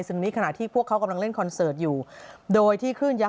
ซึ่งนี้ขณะที่พวกเขากำลังเล่นคอนเสิร์ตอยู่โดยที่คลื่นยักษ